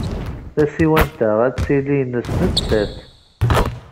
Tasiwant-a ad tili nnes nettat.